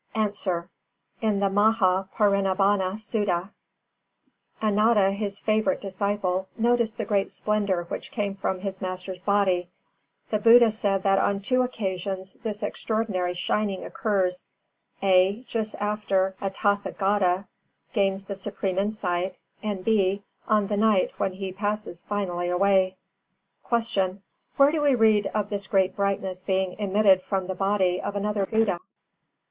_ A. In the Mahā Parinibbana Suttā, Ānanda his favourite disciple, noticing the great splendour which came from his Master's body, the Buddha said that on two occasions this extraordinary shining occurs, (a) just after a Tathāgatā gains the supreme insight, and (b) on the night when he passes finally away. 341. Q. _Where do we read of this great brightness being emitted from the body of another Buddha?